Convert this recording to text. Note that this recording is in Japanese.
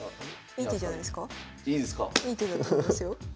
いい手だと思いますよ。